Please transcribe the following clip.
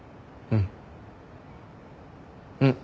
うん。